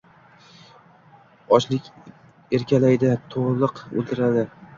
Ochlik erkalaydi, to’qlik o’ldirar.